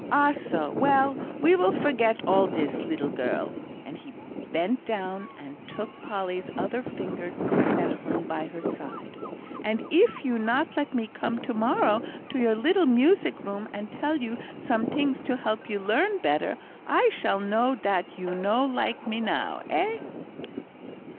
"Ah, so; well, we will forget all dis, leedle girl," and he bent down and took Polly's other fingers that hung by her side. "And eef you not let me come to morrow to your leedle music room, and tell you sometings to help you learn better, I shall know dat you no like me now eh?"